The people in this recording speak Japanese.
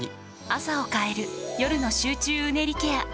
朝を変える夜の集中うねりケア。